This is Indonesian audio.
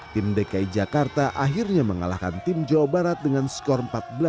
tim dki jakarta akhirnya mengalahkan tim jawa barat dengan skor empat belas dua puluh